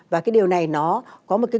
và cái điều này nó có một cái